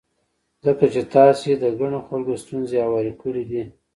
ځکه چې تاسې د ګڼو خلکو ستونزې هوارې کړې دي.